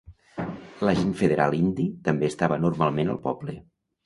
L'agent federal indi també estava normalment al poble.